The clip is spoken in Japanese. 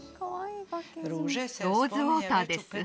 ローズウォーターです